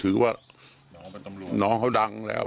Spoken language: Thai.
ถือว่าน้องเขาดังแล้ว